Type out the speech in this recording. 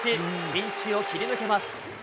ピンチを切り抜けます。